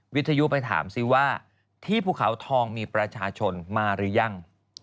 วิทยุไปถามซิว่าที่ภูเขาทองมีประชาชนมาหรือยัง